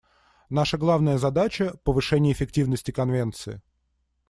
Наша главная задача — повышение эффективности Конвенции.